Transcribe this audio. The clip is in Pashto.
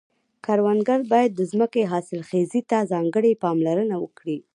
کروندګر باید د ځمکې حاصلخیزي ته ځانګړې پاملرنه وکړي.